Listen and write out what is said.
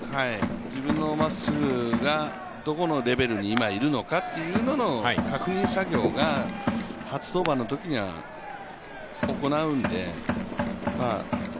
自分のまっすぐがどこのレベルに今いるのかというのの確認作業を初登板のときには行うんで。